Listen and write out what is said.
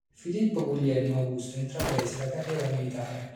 Filippo Guglielmo Augusto intraprese la carriera militare.